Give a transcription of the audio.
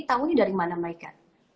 tahunya dari mana mereka